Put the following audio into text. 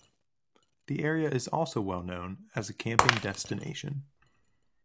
The area is also well known as a camping destination.